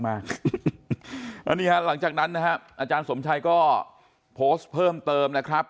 แล้วนี่ฮะหลังจากนั้นนะครับอาจารย์สมชัยก็โพสต์เพิ่มเติมนะครับ